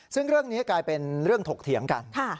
ซึ่งเรื่องนี้กลายเป็นเรื่องถกเถียงกัน